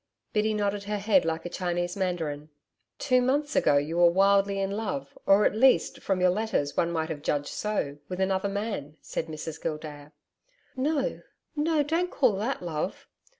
Biddy nodded her head like a Chinese Mandarin. 'Two months ago you were wildly in love or, at least, from your letters one might have judged so with another man,' said Mrs Gildea. 'No no don't call that love.'